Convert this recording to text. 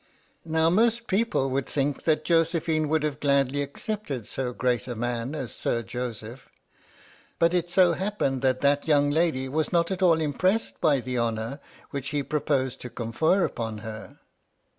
Now most people would think that Josephine would have gladly accepted so great a man as Sir 23 H.M.S. "PINAFORE" Joseph, but it so happened that that young lady was not at all impressed by the honour which he proposed to confer upon her.